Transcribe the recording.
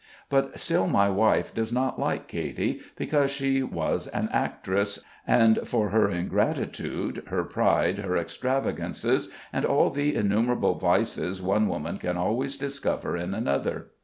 But still my wife does not like Katy, because she was an actress, and for her ingratitude, her pride, her extravagances, and all the innumerable vices one woman can always discover in another.